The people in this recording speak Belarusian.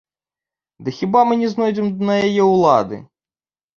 Дык хіба мы не знойдзем на яе ўлады?